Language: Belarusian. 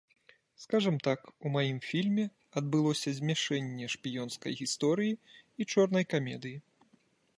Скажам так, у маім фільме адбылося змяшэнне шпіёнскай гісторыі і чорнай камедыі.